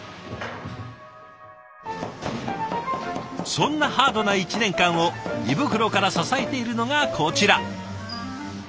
そんなハードな１年間を胃袋から支えているのがこちら。